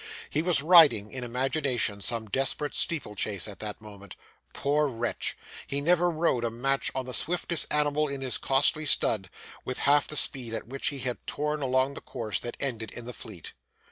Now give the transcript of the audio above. He was riding, in imagination, some desperate steeplechase at that moment. Poor wretch! He never rode a match on the swiftest animal in his costly stud, with half the speed at which he had torn along the course that ended in the Fleet.